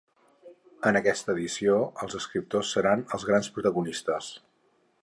En aquesta edició, els escriptors seran els grans protagonistes.